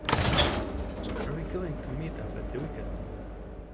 Are we going to meet up at the weekend?